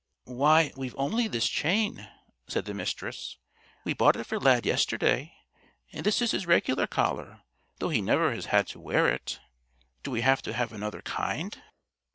"Why, we've only this chain," said the Mistress. "We bought it for Lad yesterday, and this is his regular collar though he never has had to wear it. Do we have to have another kind?"